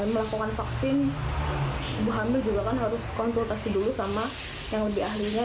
melakukan vaksin ibu hamil juga kan harus konsultasi dulu sama yang lebih ahlinya